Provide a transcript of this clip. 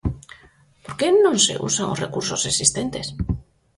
¿Por que non se usan os recursos existentes?